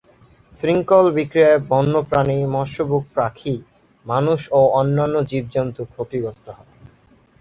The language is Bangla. শৃঙ্খলবিক্রিয়ায় বন্যপ্রাণী, মৎস্যভুক পাখি, মানুষ ও অন্যান্য জীবজন্তু ক্ষতিগ্রস্ত হয়।